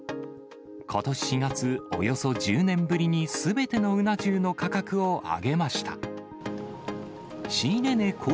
ことし４月、およそ１０年ぶりにすべてのうな重の価格を上げました。